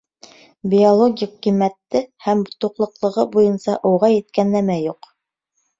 Биологик ҡиммәте һәм туҡлыҡлылығы буйынса уға еткән нәмә юҡ.